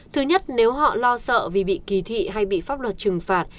thứ nhất nếu họ lo sợ vì bị kỳ thị hay bị pháp luật trừng phạt